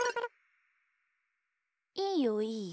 いいよいいよ。